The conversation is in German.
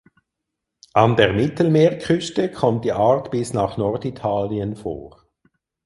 An der Mittelmeerküste kommt die Art bis nach Norditalien vor.